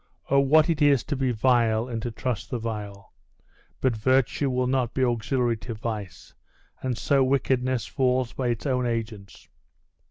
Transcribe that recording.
"O! what it is to be vile, and to trust the vile! But virtue will not be auxiliary to vice and so wickedness falls by its own agents."